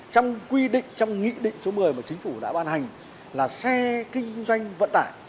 trong quy định trong nghị định số một mươi mà chính phủ đã ban hành là xe kinh doanh vận tải